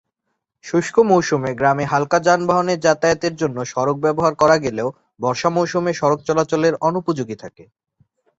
শুষ্ক মৌসুমে গ্রামে হালকা যানবাহনে যাতায়াতের জন্য সড়ক ব্যবহার করা গেলেও, বর্ষা মৌসুমে সড়ক চলাচলের অনুপযোগী থাকে।